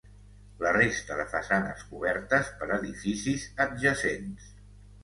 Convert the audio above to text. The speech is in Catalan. La resta de façanes cobertes per edificis adjacents.